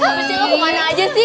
habis itu kemana aja sih